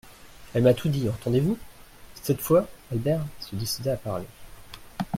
Elle m'a tout dit, entendez-vous ? Cette fois, Albert se décida à parler.